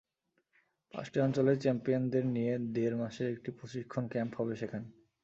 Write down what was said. পাঁচটি অঞ্চলের চ্যাম্পিয়নদের নিয়ে দেড় মাসের একটি প্রশিক্ষণ ক্যাম্প হবে সেখানে।